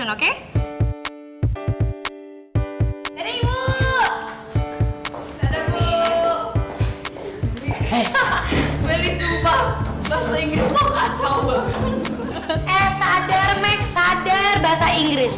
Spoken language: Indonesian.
oke terima kasih melly